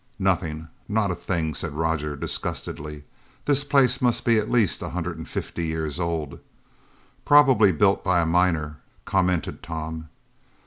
"Nothing not a thing," said Roger disgustedly. "This place must be at least a hundred and fifty years old." "Probably built by a miner," commented Tom.